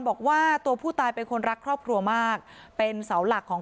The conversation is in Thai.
บอกว่าตัวผู้ตายเป็นคนรักครอบครัวมากเป็นเสาหลักของ